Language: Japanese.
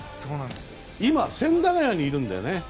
今、千駄ヶ谷にいるんだよね。